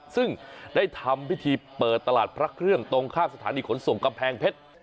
ซึ่งได้ทำพิธีเปิดตลาดพระเครื่องตรงข้ามสถานีขนส่งกำแพงเพชร